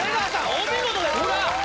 お見事です！